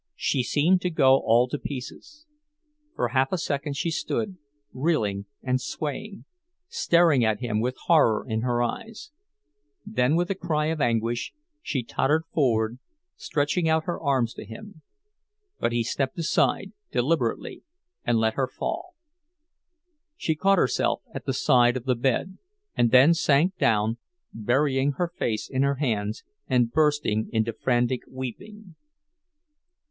She seemed to go all to pieces. For half a second she stood, reeling and swaying, staring at him with horror in her eyes; then, with a cry of anguish, she tottered forward, stretching out her arms to him. But he stepped aside, deliberately, and let her fall. She caught herself at the side of the bed, and then sank down, burying her face in her hands and bursting into frantic weeping.